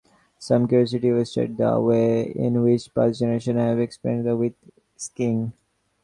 Some curiosities illustrate the way in which past generations have experimented with skiing.